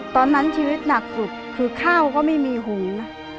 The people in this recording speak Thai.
ตอนนั้นชีวิตหนักสุดคือข้าวก็ไม่มีหุงนะ